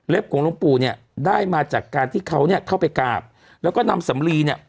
ของหลวงปู่เนี่ยได้มาจากการที่เขาเนี่ยเข้าไปกราบแล้วก็นำสำลีเนี่ย